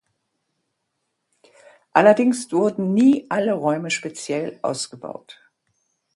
Allerdings wurden nie alle Räume speziell ausgebaut.